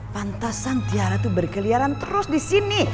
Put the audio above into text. pantasan tiara itu berkeliaran terus di sini